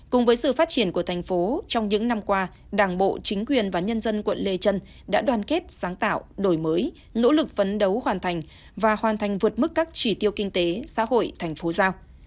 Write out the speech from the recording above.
cùng với sự phát triển của thành phố trong những năm qua đảng bộ chính quyền và nhân dân quận lê trân đã đoàn kết sáng tạo đổi mới nỗ lực phấn đấu hoàn thành và hoàn thành vượt mức các chỉ tiêu kinh tế xã hội thành phố giao